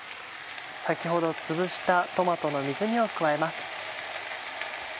先ほどつぶしたトマトの水煮を加えます。